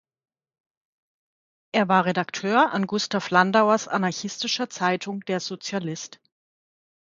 Er war Redakteur an Gustav Landauers anarchistischer Zeitung "Der Sozialist".